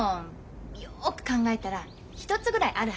よく考えたら一つぐらいあるはずよ。